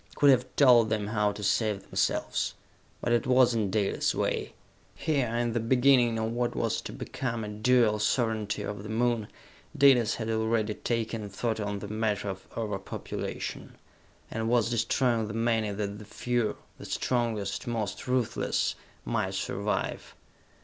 Could have told them how to save themselves! But it was not Dalis' way. Here, in the beginning of what was to become a dual sovereignty of the Moon, Dalis had already taken thought on the matter of over population, and was destroying the many that the few the strongest, most ruthless might survive!